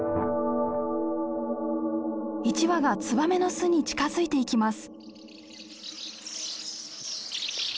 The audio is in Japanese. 一羽がツバメの巣に近づいていきます。